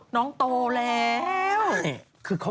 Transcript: น้องโตแล้ว